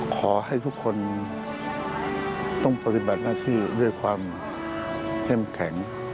ขอให้ทุกคนต้องปฏิบัติหน้าที่ด้วยความเข้มแข็ง